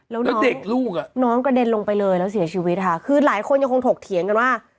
แล้วเด็กลูกอ่ะน้องกระเด็นลงไปเลยแล้วเสียชีวิตค่ะคือหลายคนยังคงถกเถียงกันว่า